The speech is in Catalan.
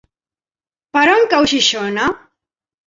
Per on cau Xixona?